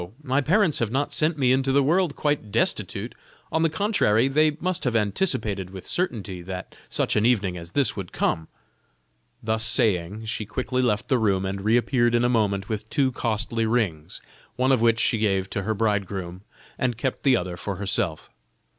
my parents have not sent me into the world quite destitute; on the contrary, they must have anticipated with certainty that such an evening as this would come." Thus saving, she quickly left the room and reappeared in a moment with two costly rings, one of which she gave to her bridegroom, and kept the other for herself.